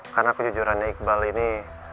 karena kejujuran iqbal ini